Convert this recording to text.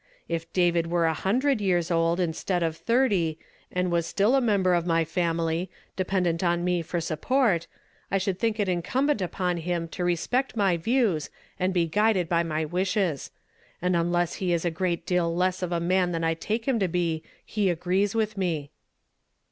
If David were a hundred years old, instead of thirty, and was still a mem ber of my family, dependent upon me for support, I should think it incumbent upon him to respect my views and be guided by my wishes ; and unless he is a great deal less of a man than I take him to be, he agrees with me."